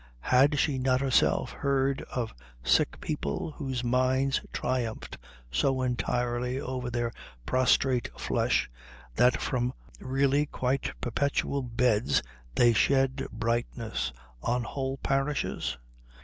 Had she not herself heard of sick people whose minds triumphed so entirely over their prostrate flesh that from really quite perpetual beds they shed brightness on whole parishes?